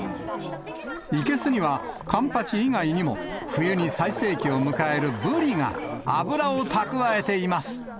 生けすにはカンパチ以外にも、冬に最盛期を迎えるブリが脂を蓄えています。